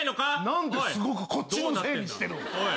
何ですごくこっちのせいにしてる！？